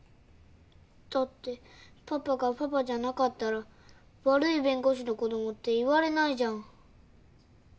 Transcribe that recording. だってパパがパパじゃなかったら悪い弁護士の子供って言われないじゃん。